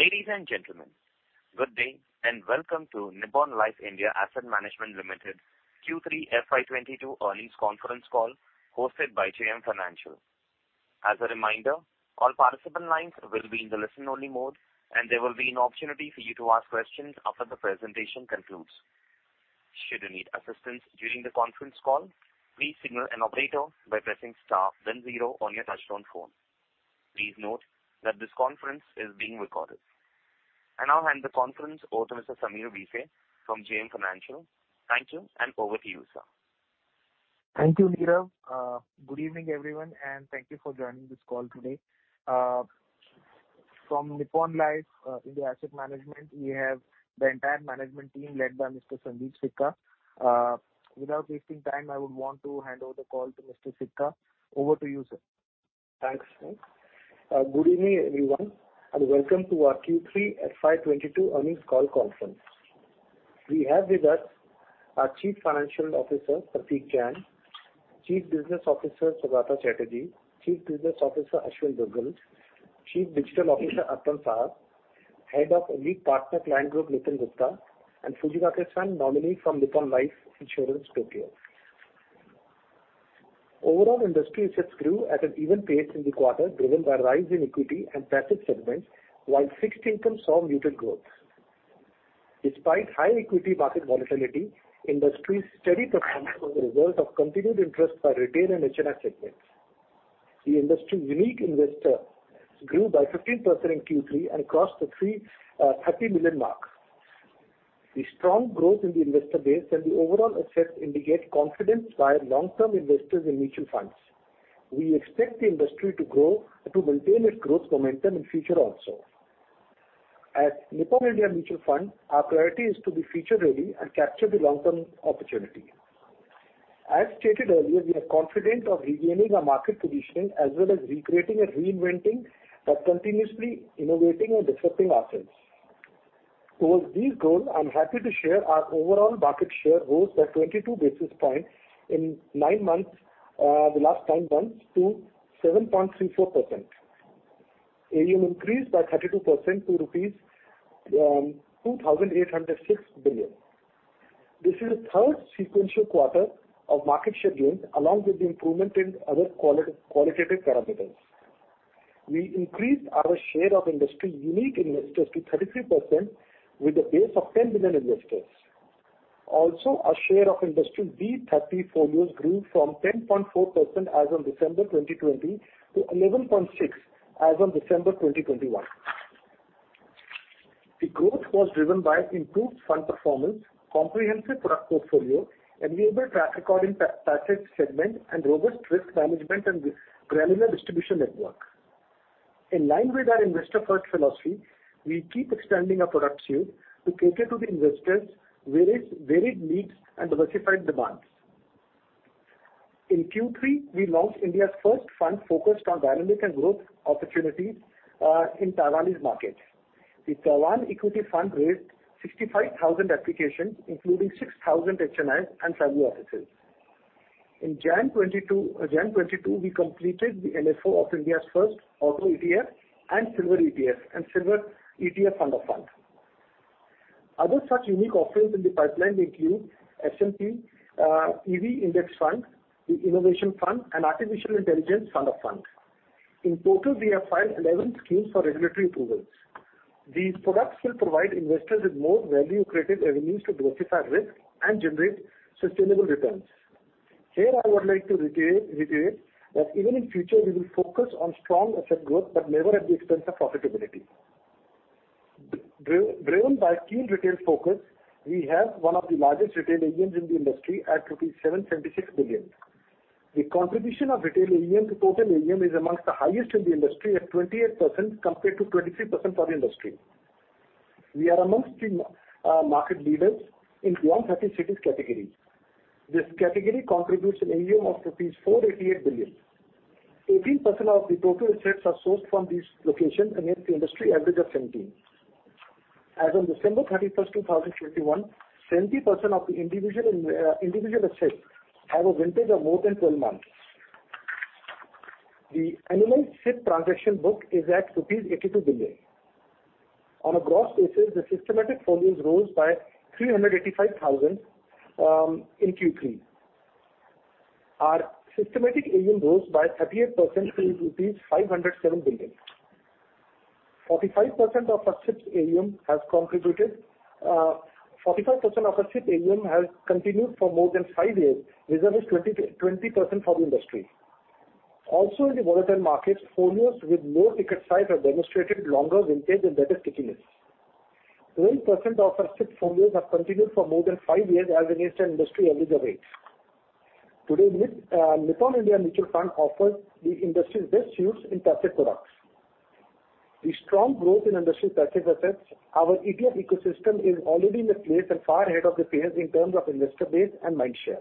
Ladies and gentlemen, good day and welcome to Nippon Life India Asset Management Limited Q3 FY 2022 earnings conference call hosted by JM Financial. As a reminder, all participant lines will be in the listen-only mode, and there will be an opportunity for you to ask questions after the presentation concludes. Should you need assistance during the conference call, please signal an operator by pressing star then zero on your touchtone phone. Please note that this conference is being recorded. I now hand the conference over to Mr. Sameer Desai from JM Financial. Thank you, and over to you, sir. Thank you, Neerav. Good evening, everyone, and thank you for joining this call today. From Nippon Life India Asset Management, we have the entire management team led by Mr. Sundeep Sikka. Without wasting time, I would want to hand over the call to Mr. Sikka. Over to you, sir. Thanks. Good evening, everyone, and welcome to our Q3 FY 2022 earnings call conference. We have with us our Chief Financial Officer, Prateek Jain; Chief Business Officer, Saugata Chatterjee; Co-Chief Business Officer, Aashwin Dugal; Chief Digital Officer, Arpanarghya Saha; Head of Elite Partner Client Group, Nitin Gupta; and Hiroshi Fujikake, nominee from Nippon Life Insurance, Tokyo. Overall industry assets grew at an even pace in the quarter driven by rise in equity and passive segments, while fixed income saw muted growth. Despite high equity market volatility, industry's steady performance was a result of continued interest by retail and HNI segments. The industry unique investor grew by 15% in Q3 and crossed the 330 million mark. The strong growth in the investor base and the overall assets indicate confidence by long-term investors in mutual funds. We expect the industry to grow and to maintain its growth momentum in future also. At Nippon India Mutual Fund, our priority is to be future ready and capture the long-term opportunity. As stated earlier, we are confident of regaining our market positioning as well as recreating and reinventing by continuously innovating and disrupting ourselves. Towards these goals, I'm happy to share our overall market share rose by 22 basis points in nine months, the last nine months to 7.34%. AUM increased by 32% to rupees 2,806 billion. This is the third sequential quarter of market share gains along with the improvement in other qualitative parameters. We increased our share of industry unique investors to 33% with a base of 10 million investors. Also, our share of industry B30 portfolios grew from 10.4% as on December 2020 to 11.6% as on December 2021. The growth was driven by improved fund performance, comprehensive product portfolio, enviable track record in passive segment and robust risk management and granular distribution network. In line with our investor-first philosophy, we keep extending our product suite to cater to the investors' various varied needs and diversified demands. In Q3, we launched India's first fund focused on dynamic and growth opportunities in Taiwanese markets. The Taiwan Equity Fund raised 65,000 applications, including 6,000 HNI and private offices. In January 2022, we completed the NFO of India's first Auto ETF and Silver ETF fund of fund. Other such unique offerings in the pipeline include S&P EV Index Fund, the Innovation Fund and Artificial Intelligence Fund of Fund. In total, we have filed 11 schemes for regulatory approvals. These products will provide investors with more value-accretive avenues to diversify risk and generate sustainable returns. Here, I would like to reiterate that even in future we will focus on strong asset growth but never at the expense of profitability. Driven by keen retail focus, we have one of the largest retail AUMs in the industry at 776 billion rupees. The contribution of retail AUM to total AUM is amongst the highest in the industry at 28% compared to 23% for the industry. We are amongst the market leaders in B30 cities category. This category contributes an AUM of rupees 488 billion. 18% of the total assets are sourced from these locations against the industry average of 17%. As on December 31st, 2021, 70% of the individual assets have a vintage of more than 12 months. The annual SIP transaction book is at rupees 82 billion. On a gross basis, the systematic portfolios rose by 385,000 in Q3. Our systematic AUM rose by 38% to rupees 507 billion. 45% of our SIP AUM has continued for more than five years versus 20% for the industry. In the volatile markets, portfolios with low ticket size have demonstrated longer vintage and better stickiness. 8% of our SIP portfolios have continued for more than five years as against the industry average of 8%. Today, Nippon India Mutual Fund offers the industry's best yields in passive products. The strong growth in industry passive assets. Our ETF ecosystem is already in place and far ahead of the peers in terms of investor base and mind share.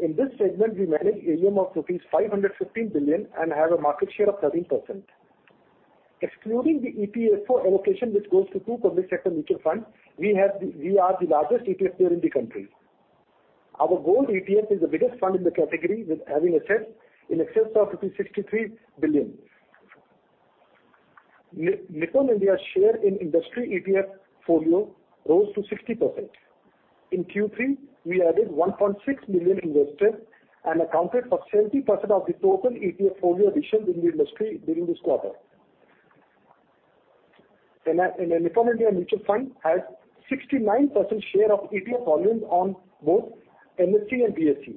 In this segment, we manage AUM of rupees 515 billion and have a market share of 13%. Excluding the EPFO allocation which goes to two public sector mutual funds, we are the largest ETF player in the country. Our gold ETF is the biggest fund in the category with assets in excess of 63 billion. Nippon India's share in industry ETF folio rose to 60%. In Q3, we added 1.6 million investors and accounted for 70% of the total ETF folio additions in the industry during this quarter. Nippon India Mutual Fund has 69% share of ETF volumes on both NSE and BSE.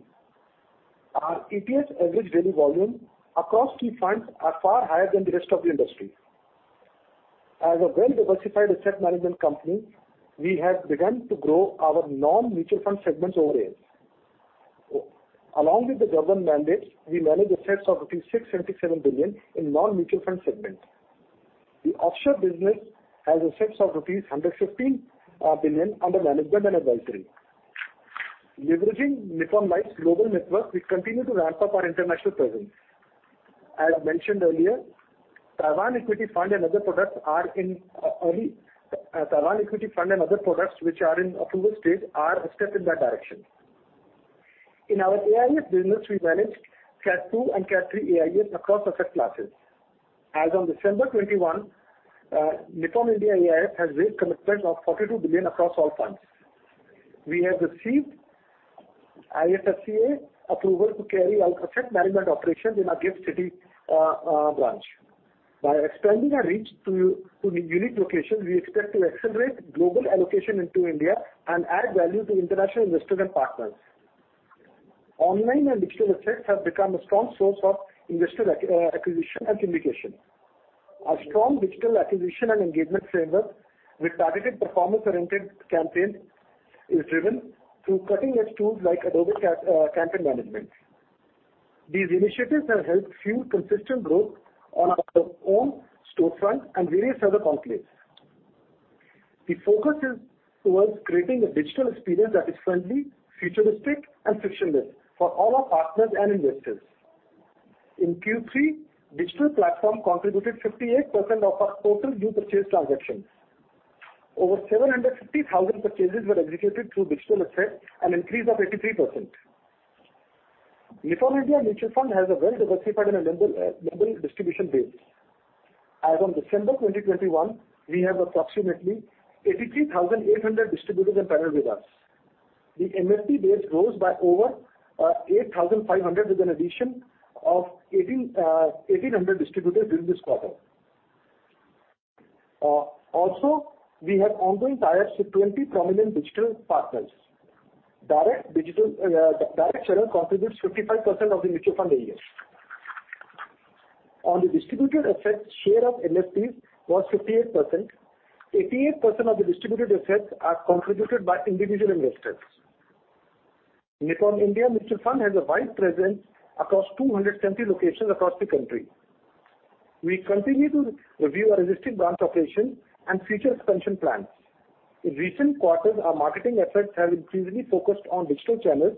Our ETF average daily volume across key funds are far higher than the rest of the industry. As a well-diversified asset management company, we have begun to grow our non-mutual fund segments over the years. Along with the government mandates, we manage assets of rupees 677 billion in non-mutual fund segment. The offshore business has assets of rupees 115 billion under management and advisory. Leveraging Nippon Life's global network, we continue to ramp up our international presence. As mentioned earlier, Taiwan Equity Fund and other products which are in approval stage are a step in that direction. In our AIF business, we managed Category II and Category III AIFs across asset classes. As on December 21, Nippon India AIF has raised commitments of 42 billion across all funds. We have received IFSCA approval to carry out asset management operations in our GIFT City branch. By expanding our reach to unique locations, we expect to accelerate global allocation into India and add value to international investors and partners. Online and digital assets have become a strong source of investor acquisition and syndication. Our strong digital acquisition and engagement framework with targeted performance-oriented campaigns is driven through cutting-edge tools like Adobe Campaign. These initiatives have helped fuel consistent growth on our own storefront and various other conclaves. The focus is towards creating a digital experience that is friendly, futuristic, and frictionless for all our partners and investors. In Q3, digital platform contributed 58% of our total new purchase transactions. Over 750,000 purchases were executed through digital assets, an increase of 83%. Nippon India Mutual Fund has a well-diversified and a level distribution base. As on December 2021, we have approximately 83,800 distributors on panel with us. The MFP base rose by over 8,500 with an addition of 1,800 distributors during this quarter. Also we have ongoing ties with 20 prominent digital partners. Direct digital direct channel contributes 55% of the mutual fund AUMs. On the distributor assets share of MFPs was 58%. 88% of the distributed assets are contributed by individual investors. Nippon India Mutual Fund has a wide presence across 270 locations across the country. We continue to review our existing branch operations and future expansion plans. In recent quarters, our marketing efforts have increasingly focused on digital channels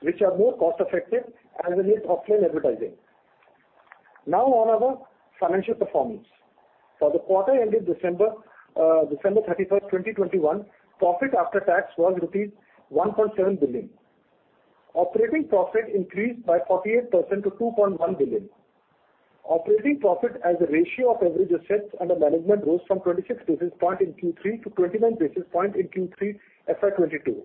which are more cost effective as against offline advertising. Now on our financial performance. For the quarter ending December 31, 2021, profit after tax was rupees 1.7 billion. Operating profit increased by 48% to 2.1 billion. Operating profit as a ratio of average assets under management rose from 26 basis points in Q3 to 29 basis points in Q3 FY 2022.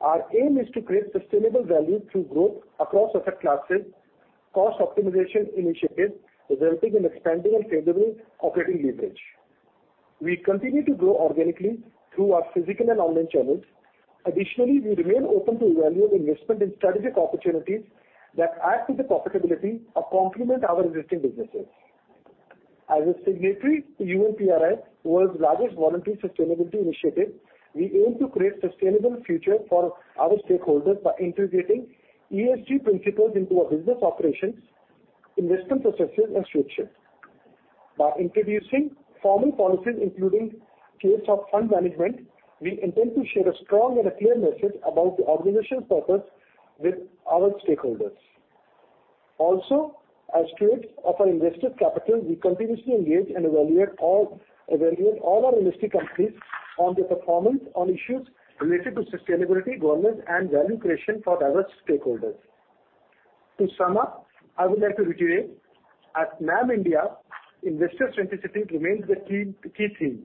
Our aim is to create sustainable value through growth across asset classes, cost optimization initiatives resulting in expanding and favorable operating leverage. We continue to grow organically through our physical and online channels. Additionally, we remain open to evaluate investment in strategic opportunities that add to the profitability or complement our existing businesses. As a signatory to UN PRI, world's largest voluntary sustainability initiative, we aim to create sustainable future for our stakeholders by integrating ESG principles into our business operations, investment processes, and stewardship. By introducing formal policies including case of fund management, we intend to share a strong and a clear message about the organization's purpose with our stakeholders. Also, as stewards of our investors' capital, we continuously engage and evaluate all our listed companies on their performance on issues related to sustainability, governance, and value creation for diverse stakeholders. To sum up, I would like to reiterate, at NAM India, investor centricity remains the key theme.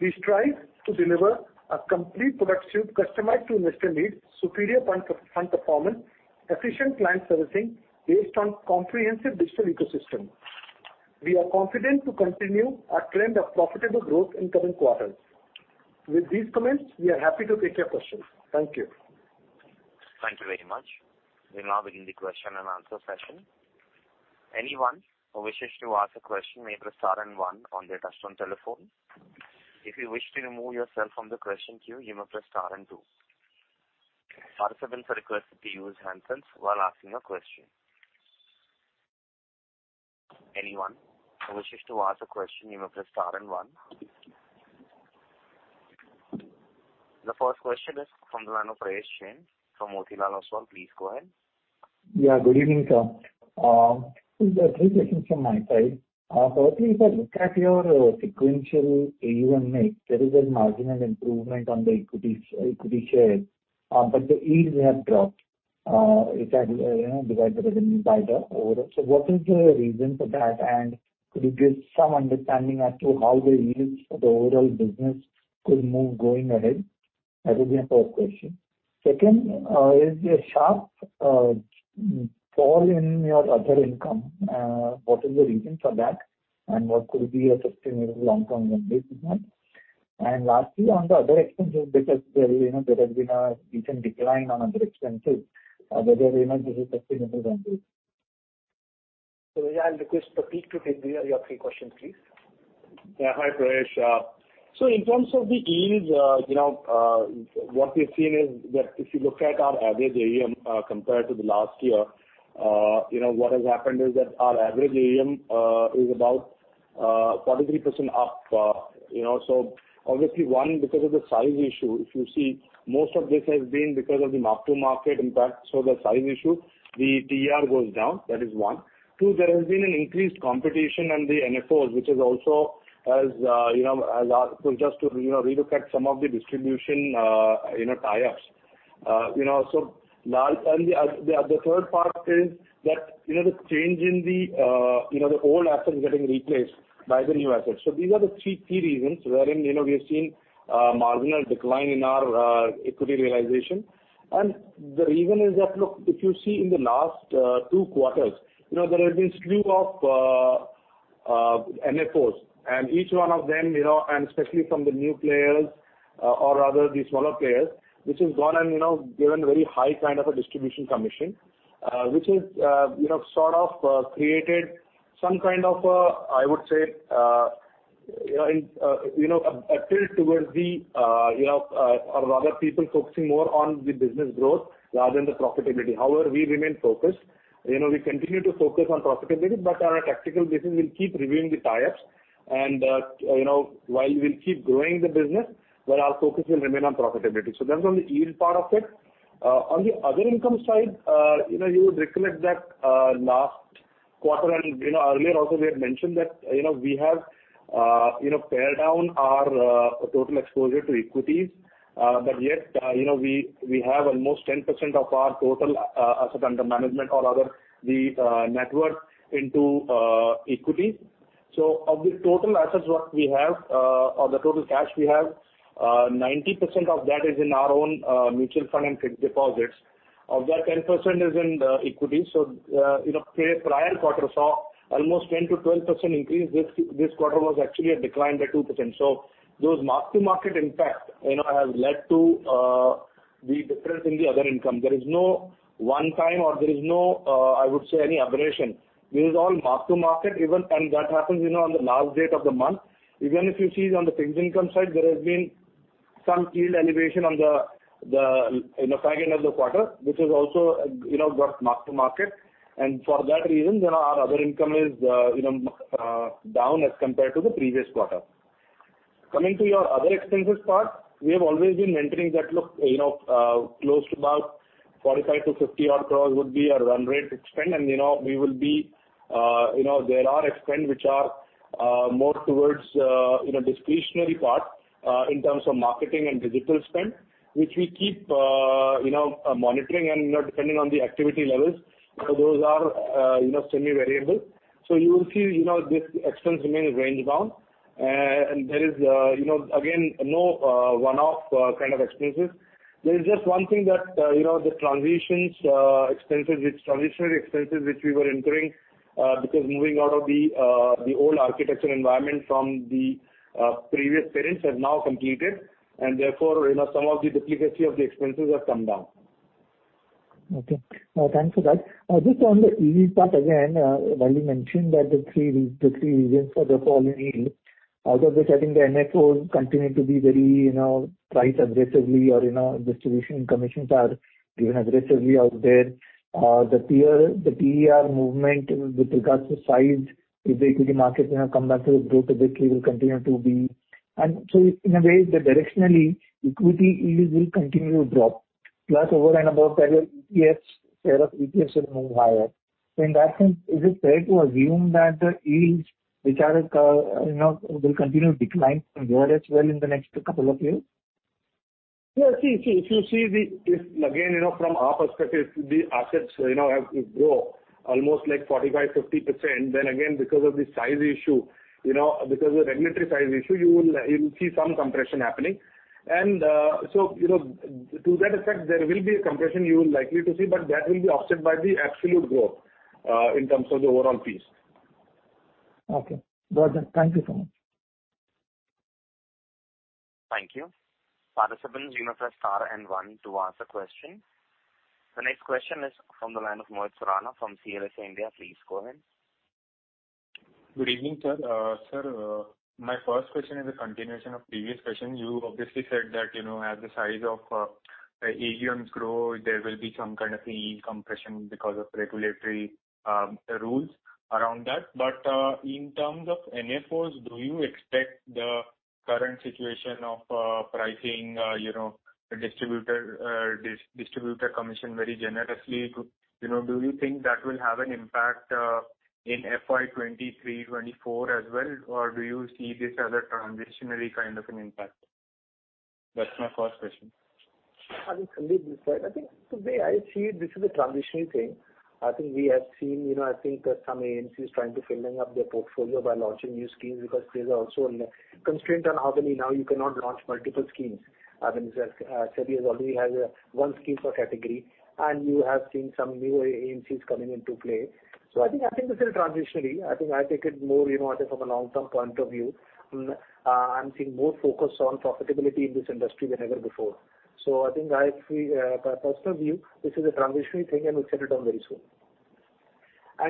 We strive to deliver a complete product suite customized to investor needs, superior fund performance, efficient client servicing based on comprehensive digital ecosystem. We are confident to continue our trend of profitable growth in coming quarters. With these comments, we are happy to take your questions. Thank you. Thank you very much. We now begin the question and answer session. Anyone who wishes to ask a question may press star and one on their touchtone telephone. If you wish to remove yourself from the question queue, you may press star and two. Participants are requested to use handsets while asking a question. Anyone who wishes to ask a question, you may press star and one. The first question is from the line of Prayesh Jain from Motilal Oswal. Please go ahead. Yeah. Good evening, sir. Three questions from my side. Firstly, if I look at your sequential AUM mix, there is a marginal improvement on the equity shares, but the yields have dropped, if I, you know, divide the revenue by the overall. So what is the reason for that? And could you give some understanding as to how the yields for the overall business could move going ahead? That will be my first question. Second, is the sharp fall in your other income, what is the reason for that and what could be a sustainable long-term trend, if any? And lastly, on the other expenses, because there, you know, there has been a decent decline on other expenses, whether, you know, this is sustainable trend. I'll request Prateek to take your three questions, please. Yeah. Hi, Prayesh. In terms of the yields, you know, what we've seen is that if you look at our average AUM compared to the last year, you know, what has happened is that our average AUM is about 43% up, you know. Obviously, one, because of the size issue, if you see, most of this has been because of the mark-to-market impact, so the size issue, the TER goes down. That is one. Two, there has been an increased competition on the NFOs, which has also, as you know, asked us to relook at some of the distribution tie-ups. You know, the other third part is that, you know, the change in the old assets getting replaced by the new assets. These are the three key reasons wherein, you know, we have seen marginal decline in our equity realization. The reason is that, look, if you see in the last two quarters, you know, there has been slew of NFOs, and each one of them, you know, and especially from the new players, or rather the smaller players, which has gone and, you know, given very high kind of a distribution commission, which has, you know, sort of created some kind of, I would say, you know, in, you know, a tilt towards the, you know, or rather people focusing more on the business growth rather than the profitability. However, we remain focused. You know, we continue to focus on profitability, but on a tactical basis we'll keep reviewing the tie-ups and, you know, while we'll keep growing the business, but our focus will remain on profitability. That's on the yield part of it. On the other income side, you know, you would recollect that, last quarter and, you know, earlier also we had mentioned that, you know, we have, you know, pared down our total exposure to equities. Yet, you know, we have almost 10% of our total asset under management or rather the net worth into equity. Of the total assets what we have, or the total cash we have, 90% of that is in our own mutual fund and fixed deposits. Of that, 10% is in the equity. You know, previous prior quarter saw almost 10%-12% increase. This quarter was actually a decline by 2%. Those mark-to-market impact, you know, have led to the difference in the other income. There is no one time or, I would say, any aberration. This is all mark-to-market even, and that happens, you know, on the last date of the month. Even if you see on the fixed income side, there has been some yield elevation on the back end of the quarter, which has also, you know, got mark-to-market. For that reason, you know, our other income is down as compared to the previous quarter. Coming to your other expenses part, we have always been maintaining that, look, you know, close to about 45-50 odd crores would be our run rate expense. You know, we will be, you know, there are expense which are, more towards, you know, discretionary part, in terms of marketing and digital spend, which we keep, you know, monitoring and, you know, depending on the activity levels. You know, those are, you know, semi-variable. You will see, you know, this expense remain range bound. There is, you know, again, no one-off kind of expenses. There is just one thing that, you know, the transitionary expenses which we were incurring because moving out of the old architecture environment from the previous parents has now completed and therefore some of the duplicacy of the expenses have come down. Okay. Thanks for that. Just on the yield part again, while you mentioned that the three reasons for the fall in yield, out of which I think the NFOs continue to be very, you know, priced aggressively or, you know, distribution commissions are given aggressively out there. The peer TER movement with regards to size, if the equity markets may have come back to a growth, obviously will continue to be. In a way that directionally equity yields will continue to drop plus overall number of Yes. ETF, share of ETFs will move higher. In that sense, is it fair to assume that the yields which are, you know, will continue to decline from here as well in the next couple of years? Yeah. See, if you see, if again, you know, from our perspective, the assets, you know, have grown almost like 45%-50%. Then again because of the size issue, you know, because of regulatory size issue, you will see some compression happening. To that effect, you know, there will be a compression you are likely to see, but that will be offset by the absolute growth in terms of the overall fees. Okay. Got that. Thank you so much. Thank you. Participants, you may press star and one to ask a question. The next question is from the line of Mohit Surana from CLSA India. Please go ahead. Good evening, sir. Sir, my first question is a continuation of previous question. You obviously said that, you know, as the size of the AUMs grow, there will be some kind of a yield compression because of regulatory rules around that. In terms of NFOs, do you expect the current situation of pricing, you know, the distributor commission very generously. You know, do you think that will have an impact in FY 2023, 2024 as well or do you see this as a transitory kind of an impact? That's my first question. I think, Sundeep, the way I see it, this is a transitionary thing. I think we have seen, you know, that some AMCs trying to filling up their portfolio by launching new schemes because there's also a constraint on how many. Now you cannot launch multiple schemes. I mean, as, SEBI has already one scheme per category and you have seen some new AMCs coming into play. I think this is transitionally. I think I take it more, you know, from a long-term point of view, I'm seeing more focus on profitability in this industry than ever before. I think I feel, my personal view, this is a transitionary thing and we'll set it on very soon.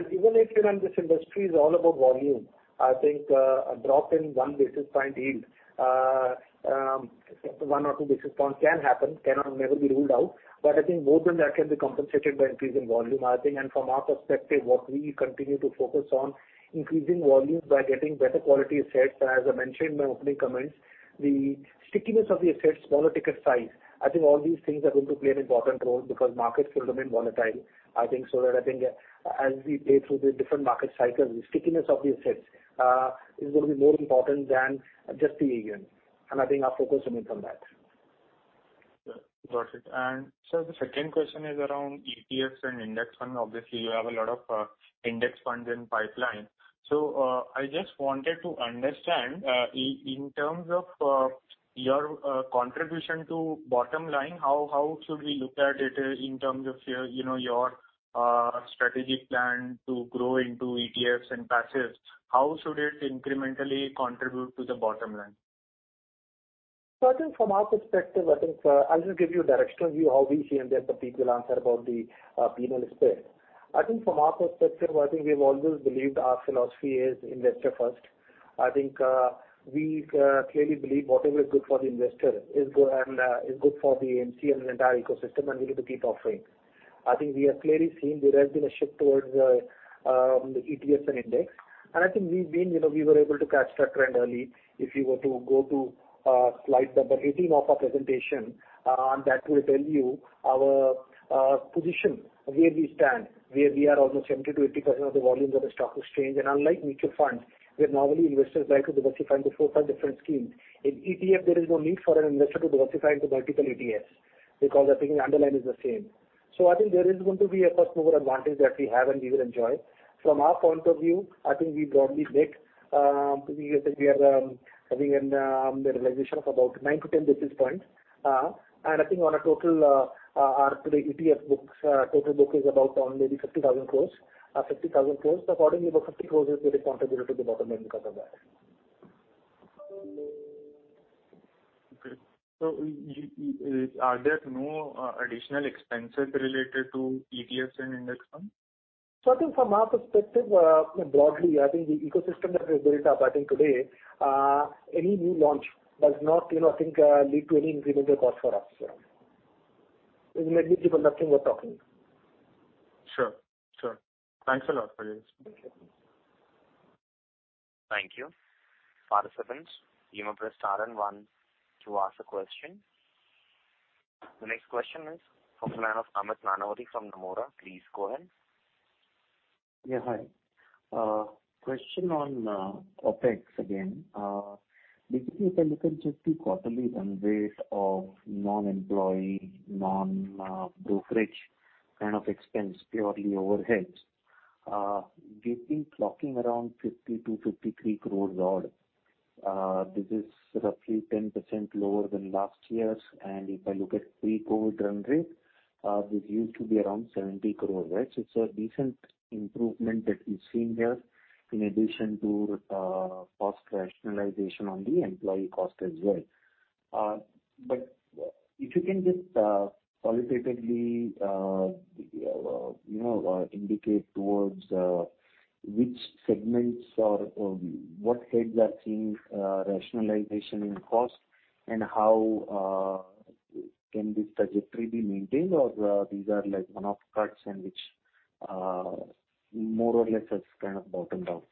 Even if, you know, this industry is all about volume, I think, a drop in 1 basis point yield, 1 or 2 basis points can happen, cannot never be ruled out. But I think more than that can be compensated by increasing volume, I think. From our perspective, what we continue to focus on increasing volume by getting better quality assets. As I mentioned in my opening comments, the stickiness of the assets, smaller ticket size, I think all these things are going to play an important role because markets will remain volatile. I think so that I think as we play through the different market cycles, the stickiness of the assets, is going to be more important than just the AUM. I think our focus remains on that. Got it. Sir, the second question is around ETFs and index funds. Obviously, you have a lot of index funds in pipeline. I just wanted to understand, in terms of your contribution to bottom line, how should we look at it in terms of your, you know, your strategic plan to grow into ETFs and passives? How should it incrementally contribute to the bottom line? I think from our perspective, I'll just give you a directional view how we see and then Prateek will answer about the P&L split. I think from our perspective, we've always believed our philosophy is investor first. I think we clearly believe whatever is good for the investor is good and is good for the AMC and the entire ecosystem, and we need to keep offering. I think we have clearly seen there has been a shift towards the ETFs and index. I think we've been, you know, we were able to catch that trend early. If you were to go to slide number 18 of our presentation, that will tell you our position, where we stand, where we are almost 70%-80% of the volumes of the stock exchange. Unlike mutual funds, where normally investors like to diversify into 4, 5 different schemes, in ETF there is no need for an investor to diversify into multiple ETFs because I think the underlying is the same. I think there is going to be a first-mover advantage that we have and we will enjoy. From our point of view, I think we broadly make, to be fair, we are having a realization of about 9-10 basis points. I think on a total, our today ETF books total book is about only 50,000 crore. Accordingly, about 50 crore is getting contributed to the bottom line because of that. Okay. Why are there no additional expenses related to ETFs and index funds? I think from our perspective, you know, broadly, I think the ecosystem that we have built up, I think today, any new launch does not, you know, I think, lead to any incremental cost for us. Maybe Prateek would like to talk more. Sure. Thanks a lot for your response. Thank you. Thank you. Participants, you may press star and one to ask a question. The next question is from the line of Amit Nanavati from Nomura. Please go ahead. Yeah, hi. Question on OpEx again. Basically, if I look at just the quarterly run rate of non-employee, non-brokerage kind of expense, purely overheads, they've been clocking around 50-53 crores odd. This is roughly 10% lower than last year's. If I look at pre-COVID run rate, this used to be around 70 crores, right? It's a decent improvement that we've seen here in addition to cost rationalization on the employee cost as well. But if you can just qualitatively, you know, indicate towards which segments or what heads are seeing rationalization in cost and how can this trajectory be maintained or these are like one-off cuts and which more or less has kind of bottomed out?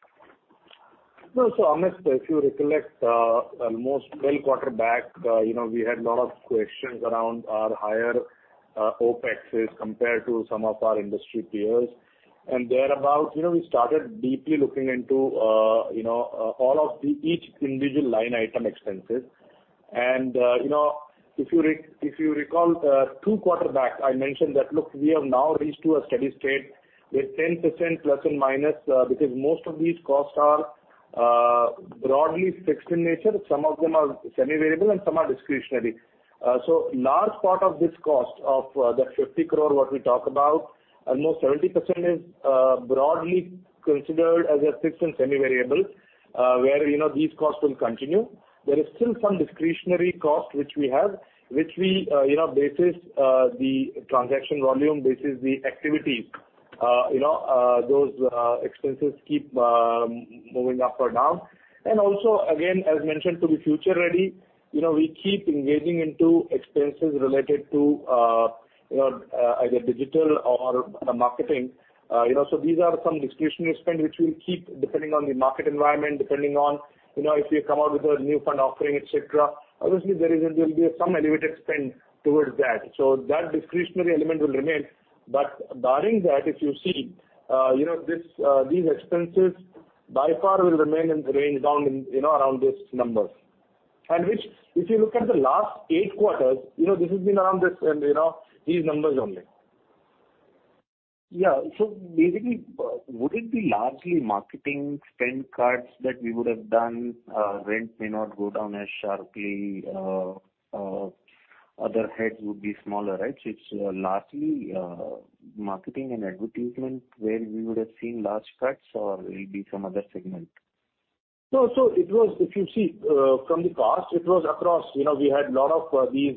No, Amit, if you recollect, almost 12 quarterback, you know, we had a lot of questions around our higher OpExes compared to some of our industry peers. Thereabout, you know, we started deeply looking into all of each individual line item expenses. If you recall, two quarterback, I mentioned that, look, we have now reached to a steady state with 10% plus and minus, because most of these costs are broadly fixed in nature. Some of them are semi-variable and some are discretionary. A large part of this cost of 50 crore what we talk about, almost 70% is broadly considered as fixed and semi-variable, where, you know, these costs will continue. There is still some discretionary cost which we have, you know, based on the transaction volume, based on the activities. You know, those expenses keep moving up or down. Also, again, as mentioned to be future-ready, you know, we keep engaging into expenses related to, you know, either digital or marketing. You know, these are some discretionary spend which we keep depending on the market environment, depending on, you know, if we come out with a new fund offering, et cetera. Obviously, there will be some elevated spend towards that. That discretionary element will remain. But barring that, if you see, you know, these expenses by far will remain in the range down in, you know, around this number. Which if you look at the last eight quarters, you know, this has been around this and, you know, these numbers only. Yeah. Basically, would it be largely marketing spend cuts that we would have done? Rent may not go down as sharply. Other heads would be smaller, right? It's largely marketing and advertisement where we would have seen large cuts or will be some other segment? No. It was if you see, from the past, it was across. You know, we had a lot of these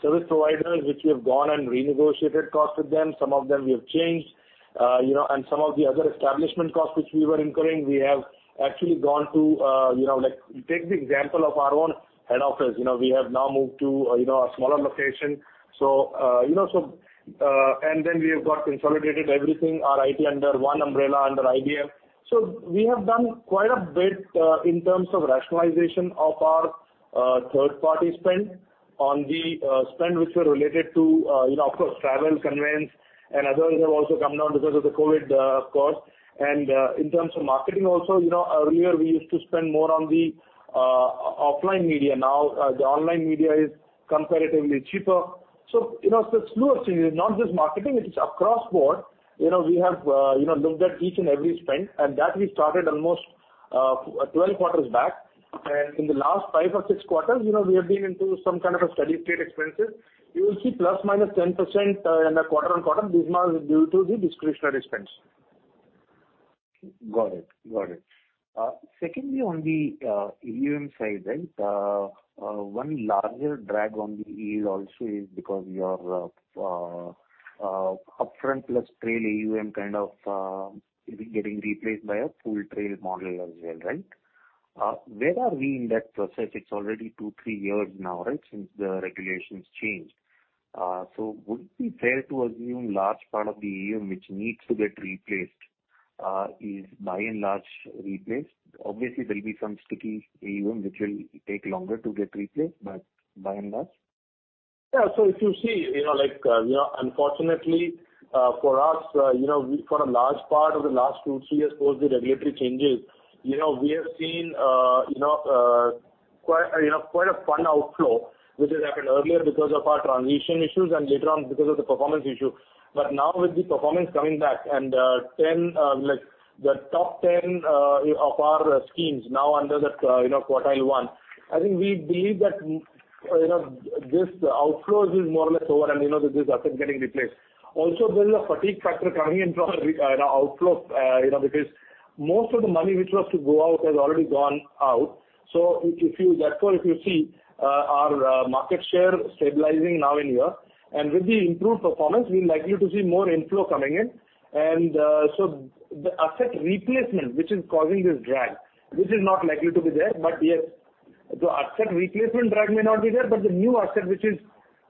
service providers which we have gone and renegotiated costs with them. Some of them we have changed. You know, and some of the other establishment costs which we were incurring, we have actually gone to, you know, like take the example of our own head office. You know, we have now moved to, you know, a smaller location. You know, and then we have got consolidated everything, our IT under one umbrella under IBM. We have done quite a bit in terms of rationalization of our third-party spend which were related to, you know, of course, travel, conveyance and others have also come down because of the COVID costs. In terms of marketing also, you know, earlier we used to spend more on the offline media. Now, the online media is comparatively cheaper. You know, it's not just marketing, it is across the board. You know, we have looked at each and every spend and that we started almost 12 quarterback. In the last five or six quarters, you know, we have been into some kind of a steady state expenses. You will see ±10% in the quarter-on-quarter. This is now due to the discretionary spends. Got it. Secondly, on the AUM side, right? One larger drag on the yield also is because your upfront plus trail AUM kind of is getting replaced by a full trail model as well, right? Where are we in that process? It's already two, three years now, right, since the regulations changed. Would it be fair to assume large part of the AUM which needs to get replaced is by and large replaced? Obviously, there'll be some sticky AUM which will take longer to get replaced, but by and large. Yeah. If you see, you know, like, you know, unfortunately, for us, you know, for a large part of the last two, three years post the regulatory changes, you know, we have seen, you know, quite a fund outflow which has happened earlier because of our transition issues and later on because of the performance issue. Now with the performance coming back and the top ten of our schemes now under the quartile one, I think we believe that, you know, this outflows is more or less over and, you know, this asset getting replaced. Also there is a fatigue factor coming in from outflow, you know, because most of the money which was to go out has already gone out. If you see our market share stabilizing now here and with the improved performance, we're likely to see more inflow coming in. The asset replacement which is causing this drag is not likely to be there, but yes. The asset replacement drag may not be there, but the new asset, which is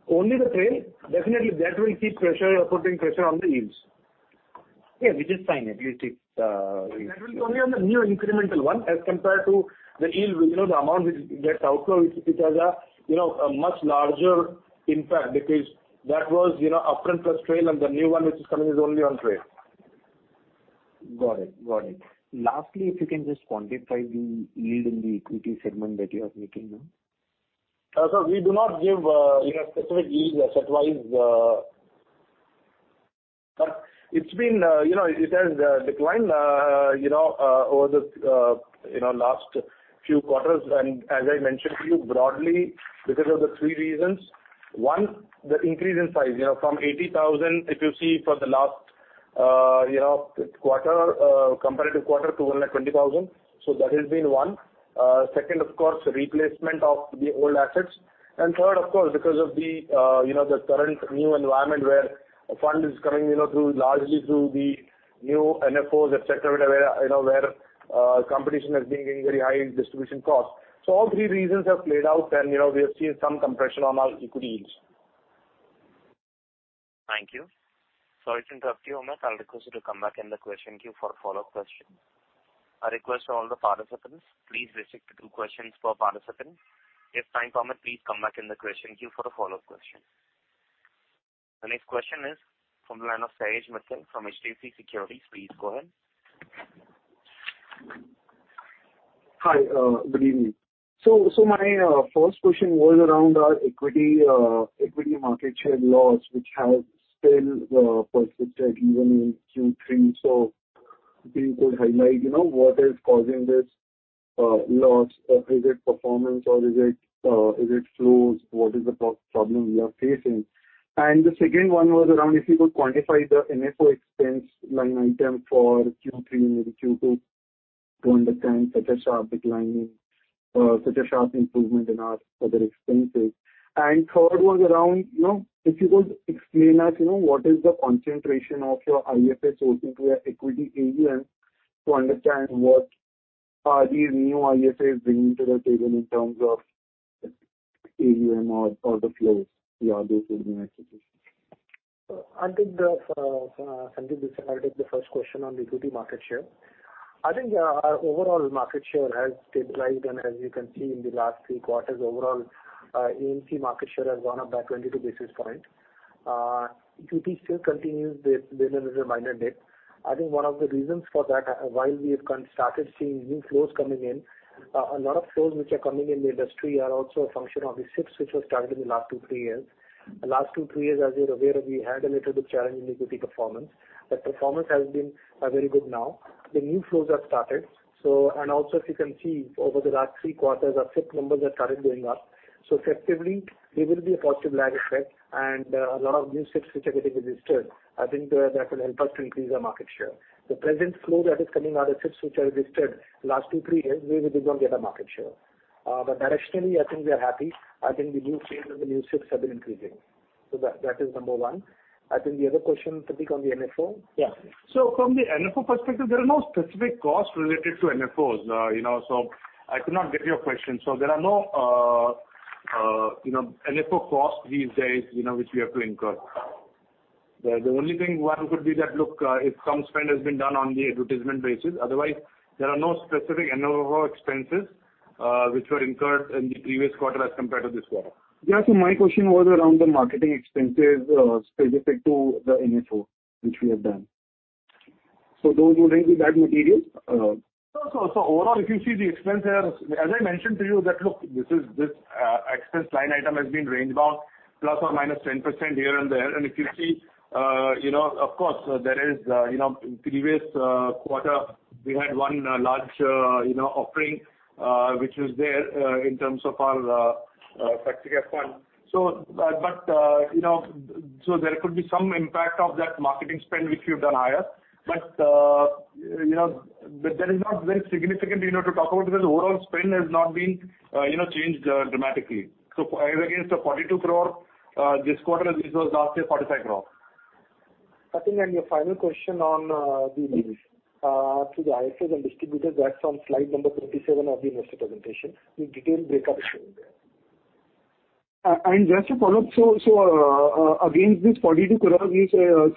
only the trail, definitely will keep pressure or putting pressure on the yields. Yeah, which is fine. It will take, That will be only on the new incremental one as compared to the yield, you know, the amount which that outflow has, you know, a much larger impact because that was, you know, upfront plus trail and the new one which is coming is only on trail. Got it. Lastly, if you can just quantify the yield in the equity segment that you are making now? We do not give, you know, specific yields asset-wise. It's been, you know, it has declined, you know, over the last few quarters. As I mentioned to you broadly because of the three reasons. One, the increase in size, you know, from 80,000, if you see for the last quarter, comparative quarter to 120,000. That has been one. Second, of course, replacement of the old assets. Third, of course, because of the current new environment where fund is coming, you know, largely through the new NFOs, et cetera, where, you know, competition has been getting very high in distribution costs. All three reasons have played out and, you know, we have seen some compression on our equity yields. Thank you. Sorry to interrupt you, Amit. I'll request you to come back in the question queue for a follow-up question. I request all the participants, please restrict to two questions per participant. If time permit, please come back in the question queue for the follow-up question. The next question is from the line of Sahej Mittal from HDFC Securities. Please go ahead. Hi. Good evening. My first question was around our equity market share loss, which has still persisted even in Q3. If you could highlight, you know, what is causing this loss? Is it performance or is it flows? What is the problem you are facing? And the second one was around if you could quantify the NFO expense line item for Q3 and maybe Q2. To understand such a sharp improvement in our other expenses. And third one's around, you know, if you could explain to us, you know, what is the concentration of your IFA sourcing to your equity AUM to understand what are these new IFAs bringing to the table in terms of AUM or the flows beyond this new acquisition. I think the, Sundeep, this I'll take the first question on equity market share. I think, our overall market share has stabilized and as you can see in the last three quarters overall, AMC market share has gone up by 22 basis points. Equity still continues with being a little minor dip. I think one of the reasons for that, while we have started seeing new flows coming in, a lot of flows which are coming in the industry are also a function of the SIPs which were started in the last two, three years. The last two, three years, as you're aware, we had a little bit challenge in equity performance. The performance has been very good now. The new flows have started, so and also if you can see over the last three quarters, our SIP numbers have started going up. Effectively there will be a possible lag effect and a lot of new SIPs which are getting registered, I think that will help us to increase our market share. The present flow that is coming out of SIPs which are registered last two, three years may be based on the other market share. But directionally I think we are happy. I think the new flows and the new SIPs have been increasing. That is number one. I think the other question, Prateek, on the NFO? Yeah. From the NFO perspective, there are no specific costs related to NFOs. You know, I could not get your question. There are no NFO costs these days, you know, which we have to incur. The only thing one could be that look, if some spend has been done on the advertisement basis, otherwise there are no specific NFO expenses, which were incurred in the previous quarter as compared to this quarter. Yeah. My question was around the marketing expenses, specific to the NFO which we have done. Those wouldn't be that material? Overall if you see the expense as I mentioned to you that look, this expense line item has been range bound plus or minus 10% here and there. If you see you know of course there is you know in previous quarter we had one large you know offering which was there in terms of our Satya Kai Fund. But you know there could be some impact of that marketing spend which we've done higher. But you know that is not very significant you know to talk about because overall spend has not been you know changed dramatically. Against the 42 crore this quarter this was last year 45 crore. I think your final question on the fees to the IFAs and distributors, that's on slide number 27 of the investor presentation. The detailed breakup is shown there. Just to follow up, against this 42 crore you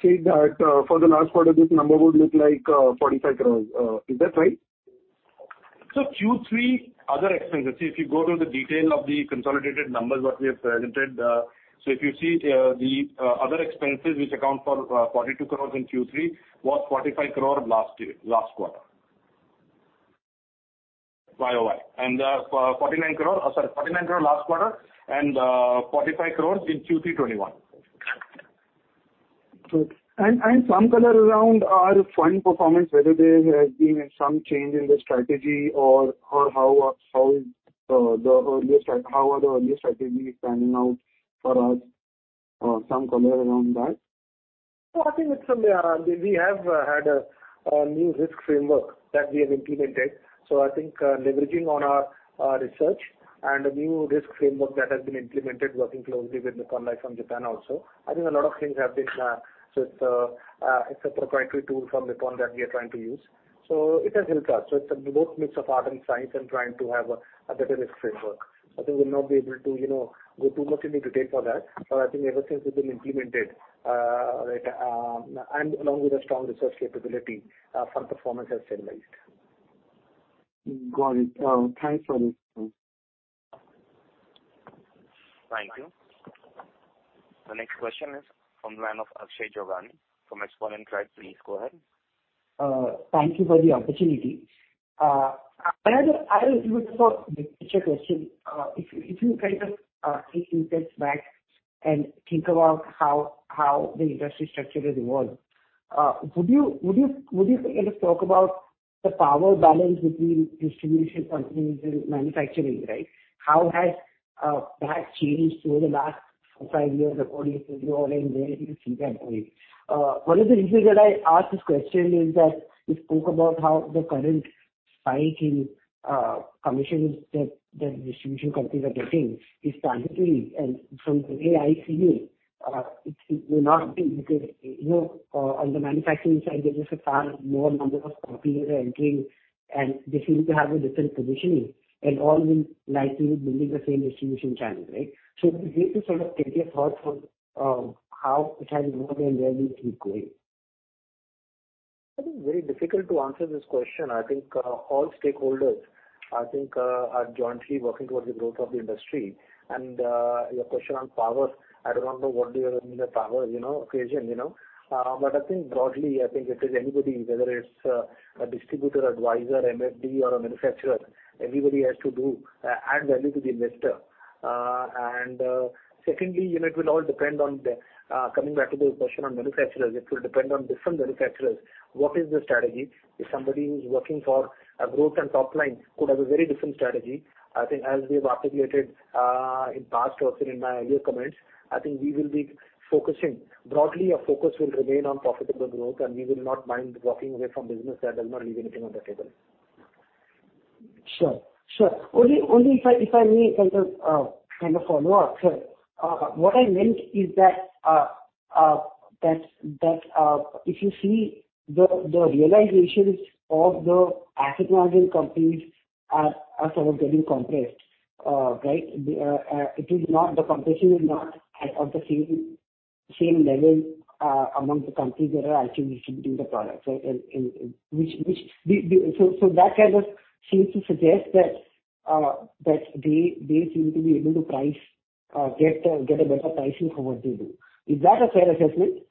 said that for the last quarter this number would look like 45 crore. Is that right? Q3 other expenses, if you go to the detail of the consolidated numbers what we have presented, so if you see the other expenses which account for 42 crores in Q3 was 45 crore last year, last quarter. YOY and 49 crore, sorry, 49 crore last quarter and 45 crores in Q3 2021. Good. Some color around our fund performance, whether there has been some change in the strategy or how the early strategies are panning out for us? Some color around that. I think we have had a new risk framework that we have implemented. I think leveraging on our research and a new risk framework that has been implemented working closely with Nippon Life from Japan also. I think a lot of things have been, so it's a proprietary tool from Nippon that we are trying to use. It has helped us. It's both a mix of art and science and trying to have a better risk framework. I think we'll not be able to, you know, go too much into detail for that. I think ever since it's been implemented, like, and along with a strong research capability, fund performance has stabilized. Got it. Thanks for this. Thank you. The next question is from the line of Akshay Jogani from Xponent Tribe. Please go ahead. Thank you for the opportunity. I have a little bit of a bigger question. If you kind of take few steps back and think about how the industry structure has evolved, would you kind of talk about the power balance between distribution companies and manufacturing, right? How has that changed over the last four, five years according to you all and where do you see that going? One of the reasons that I ask this question is that you spoke about how the current spike in commissions that the distribution companies are getting is transitory and from the way I see it will not be because, you know, on the manufacturing side there is a far more number of companies are entering and they seem to have a different positioning and all will likely be building the same distribution channel, right? If you sort of give your thoughts on how it has evolved and where do you see it going? I think it's very difficult to answer this question. I think all stakeholders are jointly working towards the growth of the industry. Your question on power, I don't know what you mean by power, you know, equation, you know. I think broadly, it is anybody, whether it's a distributor, advisor, MFD or a manufacturer, everybody has to add value to the investor. Secondly, you know, it will all depend on the coming back to the question on manufacturers, it will depend on different manufacturers, what is the strategy? If somebody who's working for a growth and top line could have a very different strategy. I think as we have articulated in past also in my earlier comments, I think we will be focusing. Broadly our focus will remain on profitable growth and we will not mind walking away from business that does not leave anything on the table. Sure. Only if I may kind of follow up. Sir, what I meant is that if you see the realizations of the asset management companies are sort of getting compressed, right? The competition is not on the same level among the companies that are actually distributing the products, right? That kind of seems to suggest that they seem to be able to get a better pricing for what they do. Is that a fair assessment?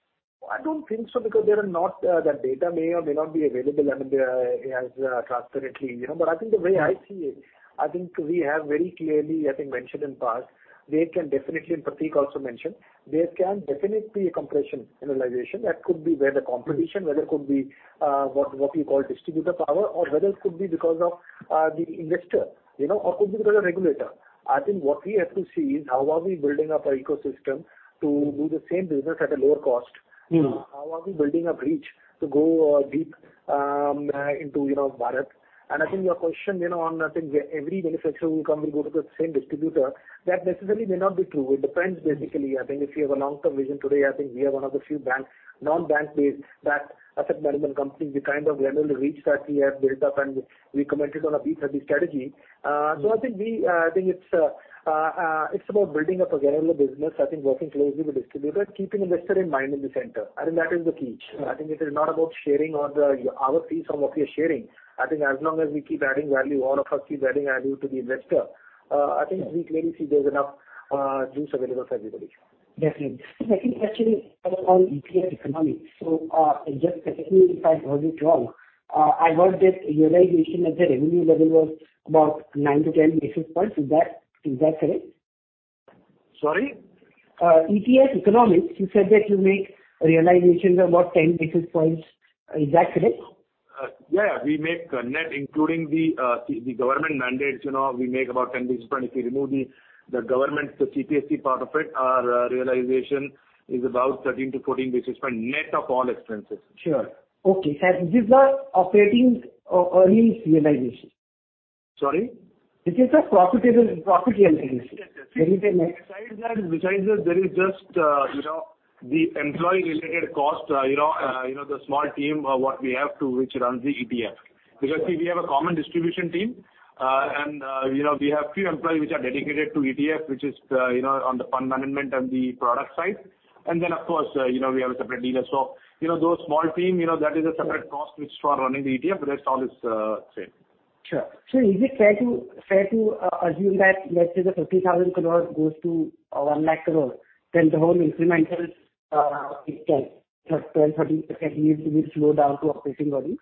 I don't think so because they are not that data may or may not be available. I mean, they are as transparently, you know? But I think the way I see it, I think we have very clearly, I think, mentioned in past, there can definitely, and Prateek also mentioned, there can definitely be a compression in realization. That could be where the competition, whether it could be what you call distributor power or whether it could be because of the investor, you know, or could be because of regulator. I think what we have to see is how are we building up our ecosystem to do the same business at a lower cost? Mm-hmm. How are we building up reach to go deep into, you know, Bharat. I think your question, you know, on I think every manufacturer who come will go to the same distributor, that necessarily may not be true. It depends basically. I think if you have a long-term vision today, I think we are one of the few bank, non-bank based that asset management company, the kind of general reach that we have built up and we commented on a B30 strategy. I think it's about building up a general business. I think working closely with distributors, keeping investor in mind in the center. I think that is the key. I think it is not about sharing all the, our fees or what we are sharing. I think as long as we keep adding value, all of us keep adding value to the investor. I think we clearly see there's enough juice available for everybody. Definitely. The second question is on ETF economics. Just correct me if I heard it wrong. I heard that realization at the revenue level was about 9-10 basis points. Is that correct? Sorry? ETF economics, you said that you make realizations of about 10 basis points. Is that correct? Yeah. We make net, including the government mandates, you know, we make about 10 basis points. If you remove the government, the CPSE part of it, our realization is about 13-14 basis points net of all expenses. Sure. Okay. This is the operating earnings realization? Sorry? This is the profitable, profit realization? Yes, yes. Can you say again? Besides that there is just you know the employee-related cost you know the small team that we have which runs the ETF. Because we have a common distribution team. You know we have few employees which are dedicated to ETF which is you know on the fund management and the product side. Then of course you know we have a separate dealer. You know that small team you know that is a separate cost for running the ETF, the rest all is same. Sure. Is it fair to assume that, let's say, the 50,000 crore goes to 1 lakh crore, then the whole incremental 10%-30% needs to be slowed down to operating earnings?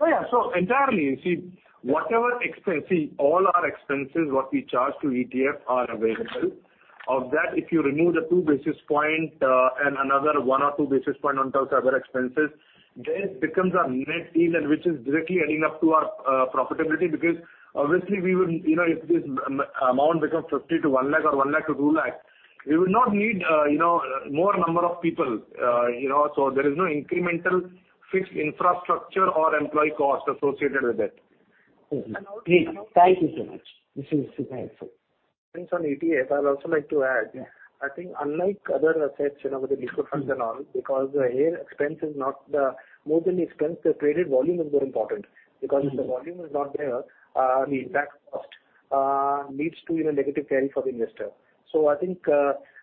Oh, yeah. Entirely, you see, whatever expenses. See, all our expenses, what we charge to ETF, are available. Of that, if you remove the 2 basis points and another 1 or 2 basis points on top of other expenses, then it becomes our net income which is directly adding up to our profitability. Because obviously we will, you know, if this amount becomes 50,000 to 1 lakh or 1 lakh to 2 lakh, we will not need, you know, more number of people. You know, there is no incremental fixed infrastructure or employee cost associated with it. Okay. Thank you so much. This is Thanks. On ETFs, I'd also like to add. Yeah. I think unlike other assets, you know, with the liquid funds and all, more than the expense, the traded volume is more important. Because if the volume is not there, the impact cost leads to, you know, negative carry for the investor. I think,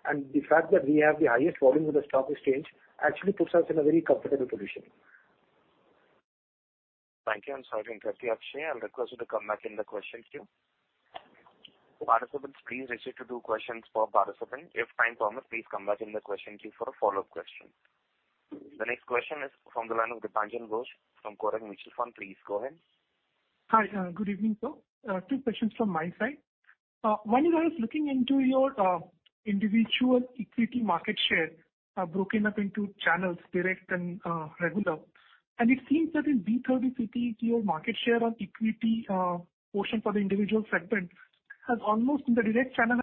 and the fact that we have the highest volume with the stock exchange actually puts us in a very comfortable position. Thank you. I'm sorry to interrupt you, Akshay. I'll request you to come back in the question queue. Participants, please register to do questions per participant. If time permits, please come back in the question queue for a follow-up question. The next question is from the line of Dipanjan Ghosh from Kotak Mutual Fund. Please go ahead. Hi, good evening sir. Two questions from my side. One is I was looking into your individual equity market share broken up into channels direct and regular. It seems that in B30 cities your market share on equity portion for the individual segment has almost in the direct channel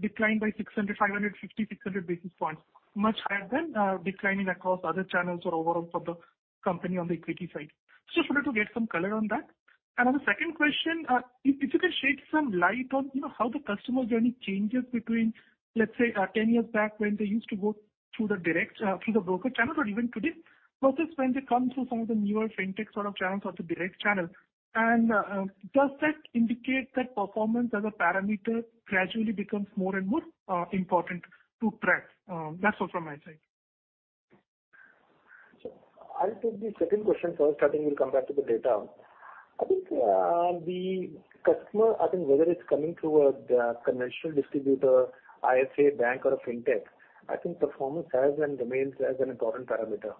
declined by 600, 550, 600 basis points, much higher than declining across other channels or overall for the company on the equity side. Just wanted to get some color on that. On the second question, if you can shed some light on, you know, how the customer journey changes between, let's say, 10 years back when they used to go through the direct through the broker channel or even today versus when they come through some of the newer fintech sort of channels or the direct channel. Does that indicate that performance as a parameter gradually becomes more and more important to track? That's all from my side. I'll take the second question first. I think we'll come back to the data. I think the customer, I think whether it's coming through the conventional distributor, IFA bank or a fintech, I think performance has and remains as an important parameter.